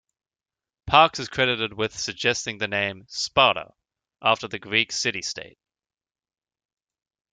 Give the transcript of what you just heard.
Parks is credited with suggesting the name "Sparta", after the Greek city-state.